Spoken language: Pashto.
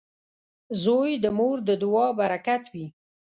• زوی د مور د دعاو برکت وي.